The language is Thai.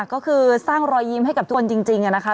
ก็คือสร้างรอยยิ้มให้กับทุกคนจริงนะคะ